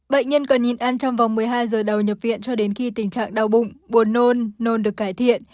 bệnh nhân cần nhìn ăn trong vòng một mươi hai giờ đầu nhập viện cho đến khi tình trạng đau bụng buồn nôn nôn được cải thiện